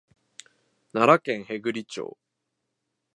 奈良県平群町